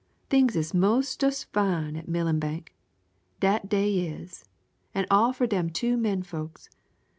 Things is monst'ous fine at Millenbeck dat dey is an' all fur dem two menfolks.